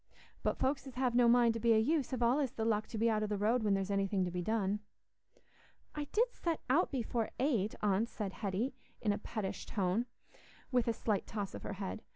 But folks as have no mind to be o' use have allays the luck to be out o' the road when there's anything to be done." "I did set out before eight, aunt," said Hetty, in a pettish tone, with a slight toss of her head.